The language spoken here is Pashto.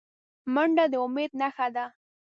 منډه د امید نښه ده